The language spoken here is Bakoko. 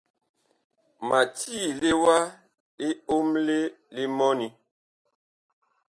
Ma tiile wa liomle li mɔni.